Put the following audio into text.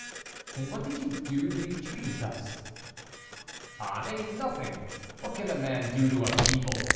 "And what did you do to be treated thus?" "I? nothing. What can a man do to a people?